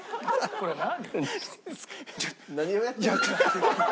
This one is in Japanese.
これ何？